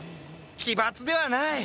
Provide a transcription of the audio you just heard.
奇抜ではない！